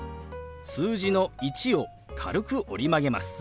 数字の「１」を軽く折り曲げます。